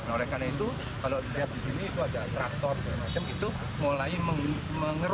nah oleh karena itu kalau dilihat di sini itu ada traktor dan macam itu